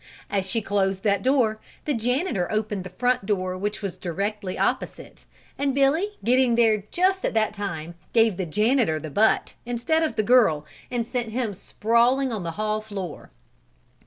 As she closed that door, the janitor opened the front door which was directly opposite and Billy getting there just at that time gave the janitor the butt instead of the girl and sent him sprawling on the hall floor.